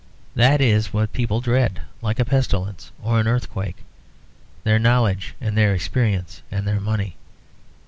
That is what people dread like a pestilence or an earthquake; their knowledge and their experience and their money.